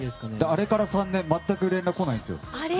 あれから３年全く連絡来ないんですよ。